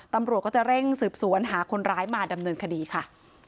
ตำรวจก็จะเร่งสืบสวนหาคนร้ายมาดำเนินคดีค่ะ